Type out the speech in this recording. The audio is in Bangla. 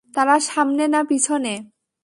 তারা সামনে না পিছনে?